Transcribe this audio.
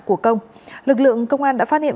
của công lực lượng công an đã phát hiện